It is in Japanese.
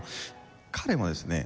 彼はですね